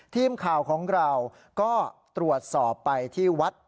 ทีมข่าวของเราก็ตรวจสอบไปที่วัด